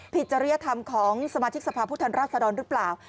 ผิดจริยธรรมของสมาธิกษภาพพุทธรรษฎรหรือเปล่า